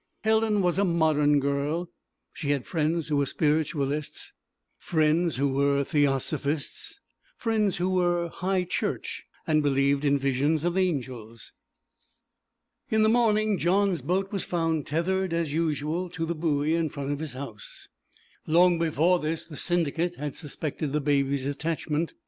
Helen was a modern girl; she had friends who were spiritualists, friends who were theosophists, friends who were 'high church' and believed in visions of angels. In the morning Johns' boat was found tethered as usual to the buoy in front of his house. Long before this the Syndicate had suspected the Baby's attachment.